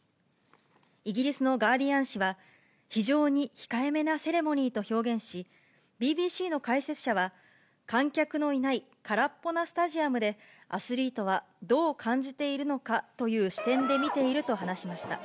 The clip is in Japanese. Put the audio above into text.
イギリスのガーディアン紙は、非常に控えめなセレモニーと表現し、ＢＢＣの解説者は、観客のいない空っぽなスタジアムで、アスリートはどう感じているのかという視点で見ていると話しました。